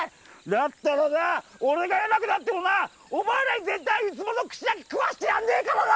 だったらな俺が偉くなってもなお前らに絶対ウツボの串焼き食わしてやんねえからな！